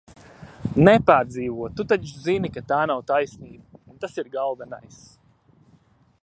Nepārdzīvo, Tu taču zini, ka tā nav taisnība, un tas ir galvenais!